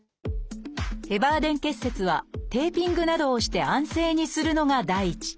ヘバーデン結節はテーピングなどをして安静にするのが第一。